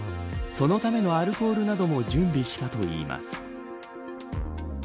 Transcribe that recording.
そのためのアルコールなども準備したといいます。